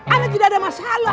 ana tidak ada masalah